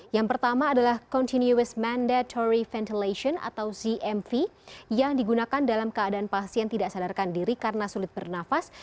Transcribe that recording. yang pertama adalah continuous mandatory ventilation atau zmv yang digunakan dalam keadaan pasien tidak sadarkan diri karena sulit bernafas